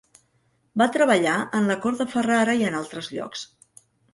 Va treballar en la cort de Ferrara i en altres llocs.